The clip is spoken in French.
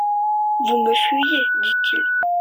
Vous me fuyez, dit-il.